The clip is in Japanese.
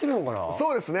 そうですね